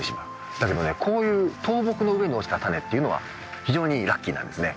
だけどねこういう倒木の上に落ちた種っていうのは非常にラッキーなんですね。